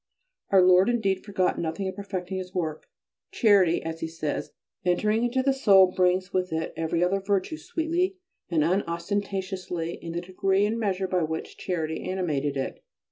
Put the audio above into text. Our Lord indeed forgot nothing in perfecting His work. "Charity," as he says, "entering into a soul brings with it every other virtue sweetly and unostentatiously in the degree and measure by which charity animated it."